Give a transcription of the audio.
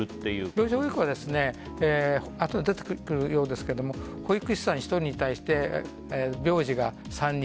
病児保育はあとで出てくるようですが保育士さん１人に対して病児が３人。